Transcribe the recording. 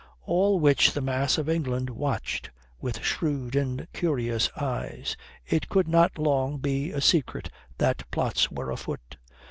All which the mass of England watched with shrewd, incurious eyes. It could not long be a secret that plots were afoot.